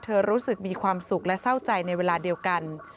รู้สึกมีความสุขและเศร้าใจในเวลาเดียวกัน